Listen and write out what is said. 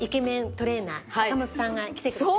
トレーナー坂本さんが来てくれました。